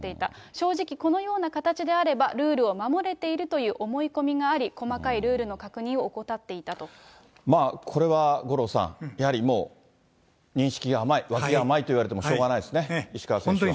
正直、このような形であれば、ルールを守れているという思い込みがあり、細かいルールの確認を怠これは五郎さん、やはりもう、認識が甘い、わきが甘いと言われてもしょうがないですね、石川選手は。